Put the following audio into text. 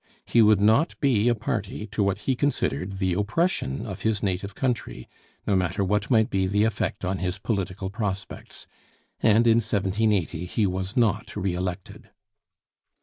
He would not be a party to what he considered the oppression of his native country, no matter what might be the effect on his political prospects; and in 1780 he was not re elected.